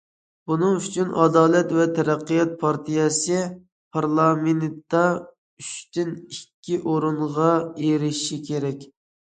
بۇنىڭ ئۈچۈن ئادالەت ۋە تەرەققىيات پارتىيەسى پارلامېنتتا ئۈچتىن ئىككى ئورۇنغا ئېرىشىشى كېرەك.